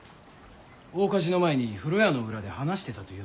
大火事の前に風呂屋の裏で話していたというのだが。